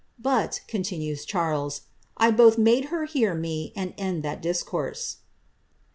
But," continues Charles, ^ I both made her hear me, and end that discourse."